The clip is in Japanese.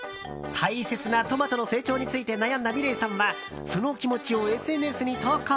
大切なトマトの成長について悩んだｍｉｌｅｔさんはその気持ちをＳＮＳに投稿。